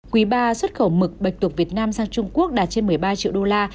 quý ba xuất khẩu mực bạch tuộc việt nam sang trung quốc đạt trên một mươi ba triệu đô la